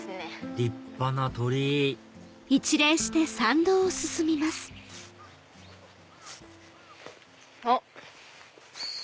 立派な鳥居おっ。